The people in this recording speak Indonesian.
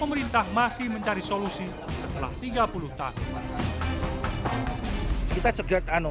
pemerintah masih mencari solusi setelah tiga puluh tahun